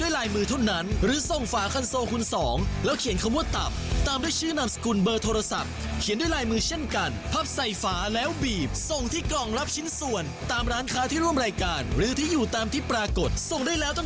เอ้ยเอาอย่างนี้ไปดูกันเรื่องของกติกาเราทำกันอย่างไรคะ